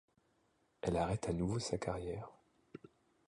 Elle arrête à nouveau sa carrière.